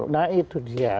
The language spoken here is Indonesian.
nah itu dia